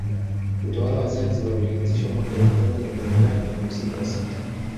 Utawala wa Zanzibar ulianzishwa mwaka wa elfu moja mia nane hamsini na sita